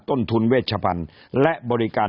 ต้นทุนเวชพันธุ์และบริการ